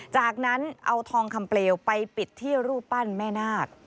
จากนั้นเอาทองคำเปลวไปปิดที่รูปปั้นแม่นาค